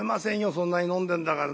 そんなに飲んでんだから」。